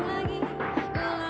mana yang disalah